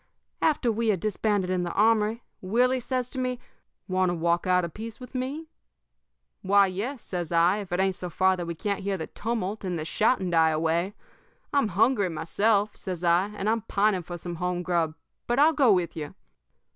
"After we had disbanded in the armory, Willie says to me: "'Want to walk out a piece with me?' "'Why, yes,' says I, 'if it ain't so far that we can't hear the tumult and the shouting die away. I'm hungry myself,' says I, 'and I'm pining for some home grub, but I'll go with you.'